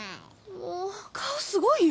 もう顔すごいよ。